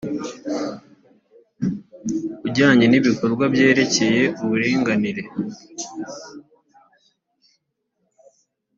ajyanye n ibikorwa byerekeye uburinganire